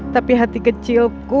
tapi hati kecilku